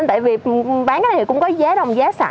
tại vì bán cái này cũng có giá đồng giá sẵn